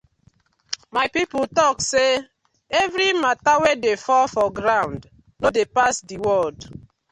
My pipu tok say everi matta wey dey fall for ground no dey pass the world.